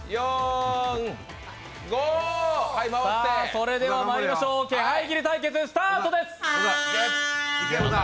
それではまいりましょう気配斬り対決スタートです。